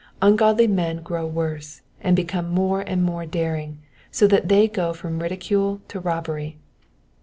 Ungodly men grow worse, and become more and more daring, so that they go from ridicule to robbery.